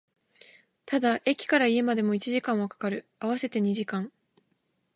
ただ、駅から家までも一時間は掛かる、合わせて二時間